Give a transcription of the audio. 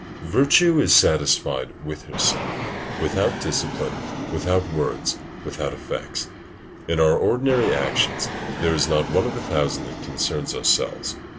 Tibullus, vi. 13. 12.] Virtue is satisfied with herself, without discipline, without words, without effects. In our ordinary actions there is not one of a thousand that concerns ourselves.